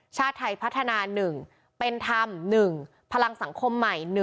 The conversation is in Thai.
ชาติไทยพัฒนา๑เป็นธรรม๑พลังสังคมใหม่๑